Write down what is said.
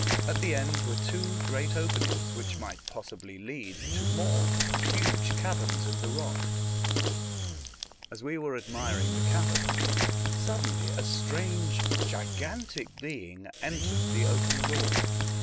At the end were two great openings, which might possibly lead to more huge caverns in the rock. 166 A Voyage to Other Worlds. As we were admiring the cavern, suddenly a strange gigantic being entered the open door.